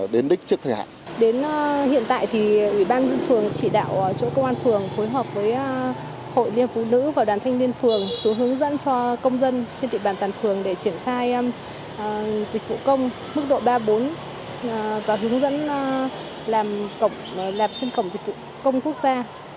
đến hiện tại thì ủy ban vũ phường chỉ đạo chỗ công an phường phối hợp với hội liên phú nữ và đoàn thanh liên phường xuống hướng dẫn cho công dân trên địa bàn tàn phường để triển khai dịch vụ công mức độ ba bốn và hướng dẫn làm chân cổng dịch vụ công quốc gia